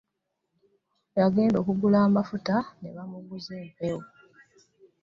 Yagenda okugula amafuta n'ebamuguza mpewo .